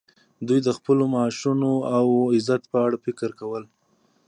دوی د خپلو معاشونو او عزت په اړه فکر کاوه